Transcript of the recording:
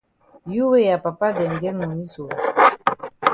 You wey ya papa dem get moni so!